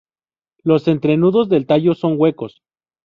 Los entrenudos del tallo son huecos.